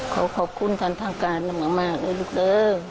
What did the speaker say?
ขอขอบคุณท่านทางการมากด้วยลูกเด้อ